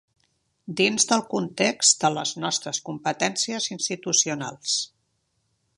dins del context de les nostres competències institucionals